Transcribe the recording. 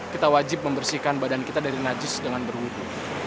kita wajib membersihkan badan kita dari najis dengan berwudhu